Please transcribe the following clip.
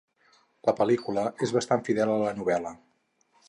La pel·lícula és bastant fidel a la novel·la.